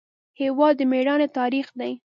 هېواد د میړانې تاریخ دی.